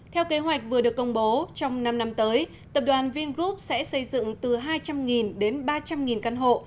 theo kế hoạch vừa được công bố trong năm năm tới tập đoàn vingroup sẽ xây dựng từ hai trăm linh đến ba trăm linh căn hộ